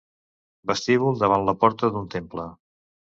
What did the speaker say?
Vestíbul davant la porta d'un temple.